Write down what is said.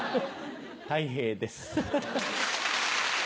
たい平です。